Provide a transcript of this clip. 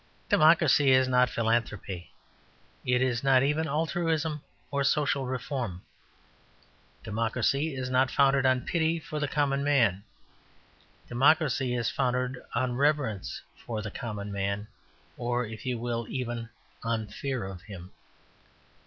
Democracy is not philanthropy; it is not even altruism or social reform. Democracy is not founded on pity for the common man; democracy is founded on reverence for the common man, or, if you will, even on fear of him.